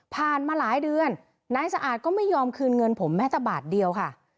มาหลายเดือนนายสะอาดก็ไม่ยอมคืนเงินผมแม้แต่บาทเดียวค่ะ